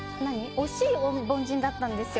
惜しい凡人だったんですよ。